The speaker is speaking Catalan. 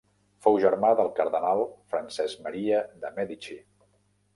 Fou germà del cardenal Francesc Maria de Mèdici.